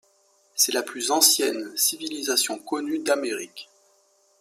C'est la plus ancienne civilisation connue d'Amérique.